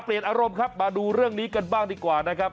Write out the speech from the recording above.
อารมณ์ครับมาดูเรื่องนี้กันบ้างดีกว่านะครับ